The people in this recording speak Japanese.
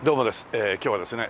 ええ今日はですね